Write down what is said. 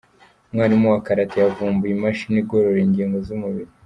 Umwarimu wa Karate yavumbuye imashini igorora ingingo z’umubiri